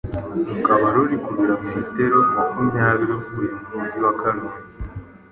rukaba ruri ku birometero makumyabiri uvuye mu Mujyi wa Karongi